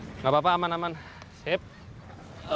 endi kuhonya banyak layak makin susah bro